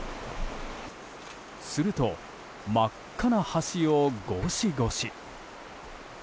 すると、真っ赤な橋をごしごし。